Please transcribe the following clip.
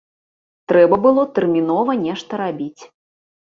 Трэба было тэрмінова нешта рабіць.